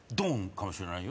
かもしれないよ。